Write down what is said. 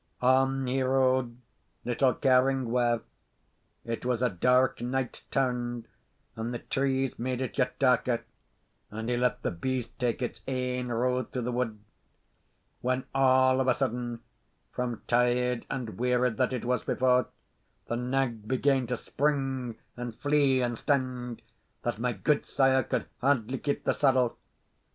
On he rode, little caring where. It was a dark night turned, and the trees made it yet darker, and he let the beast take its ain road through the wood; when all of a sudden, from tired and wearied that it was before, the nag began to spring and flee and stend, that my gudesire could hardly keep the saddle.